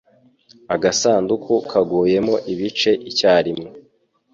Agasanduku kaguyemo ibice icyarimwe.